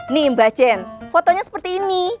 nih mbak jen fotonya seperti ini